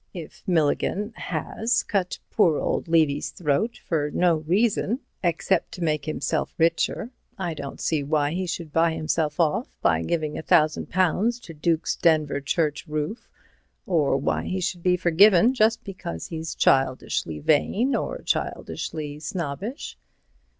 "If Milligan has cut poor old Levy's throat for no reason except to make himself richer, I don't see why he should buy himself off by giving £1,000 to Duke's Denver church roof, or why he should be forgiven just because he's childishly vain, or childishly snobbish."